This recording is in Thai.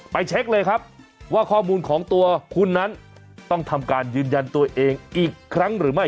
เช็คเลยครับว่าข้อมูลของตัวคุณนั้นต้องทำการยืนยันตัวเองอีกครั้งหรือไม่